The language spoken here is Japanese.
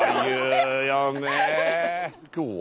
今日は？